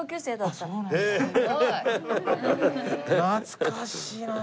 懐かしいな。